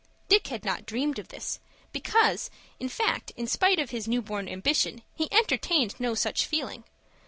Dick had not dreamed of this, because in fact, in spite of his new born ambition, he entertained no such feeling.